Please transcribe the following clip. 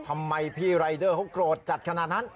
ทำไมพี่รายเดอร์เขาโกรธจัดขนาดนั้น